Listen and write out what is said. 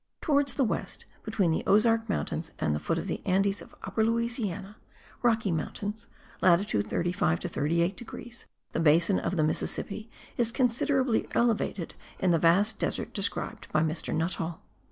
Towards the west, between the Ozark mountains and the foot of the Andes of Upper Louisiana (Rocky Mountains, latitude 35 to 38 degrees), the basin of the Mississippi is considerably elevated in the vast desert described by Mr. Nuttal.